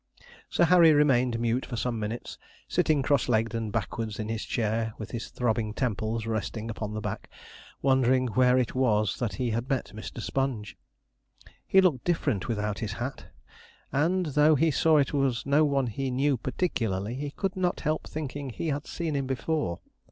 Sir Harry remained mute for some minutes, sitting cross legged and backwards in his chair, with his throbbing temples resting upon the back, wondering where it was that he had met Mr. Sponge. He looked different without his hat; and, though he saw it was no one he knew particularly, he could not help thinking he had seen him before.